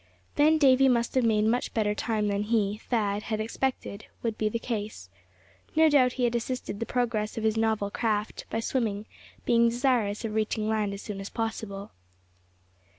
Then Davy must have made much better time than he, Thad, had expected would be the case. No doubt he had assisted the progress of his novel craft by swimming, being desirous of reaching land as soon as possible.